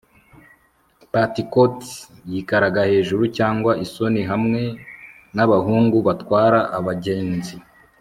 petticoats yikaraga hejuru, cyangwa isoni hamwe nabahungu batwara abagenzi